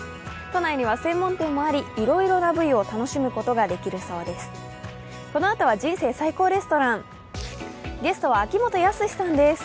都内には専門店もありいろいろな部位を楽しむことができるそうです。